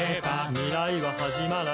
「未来ははじまらない」